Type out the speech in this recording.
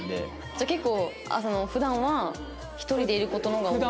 じゃあ結構普段は一人でいる事の方が多い？